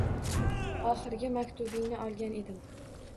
Oxirgi maktubingni olgan edim